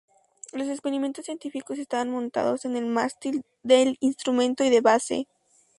Los experimentos científicos estaban montados en el mástil del instrumento y de base.